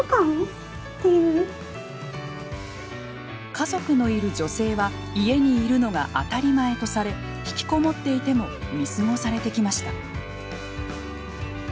家族のいる女性は家にいるのが当たり前とされひきこもっていても見過ごされてきました。